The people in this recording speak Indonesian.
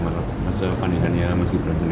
masa panikannya mas gibran sendiri